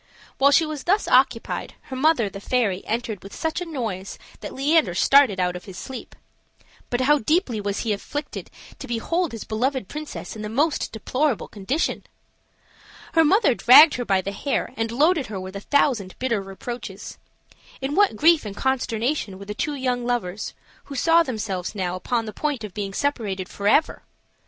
While she was thus occupied, her mother, the fairy entered with such a noise that Leander started out of his sleep. But how deeply was he afflicted to behold his beloved princess in the most deplorable condition! Her mother dragged her by the hair and loaded her with a thousand bitter reproaches. In what grief and consternation were the two young lovers, who saw themselves now upon the point of being separated forever!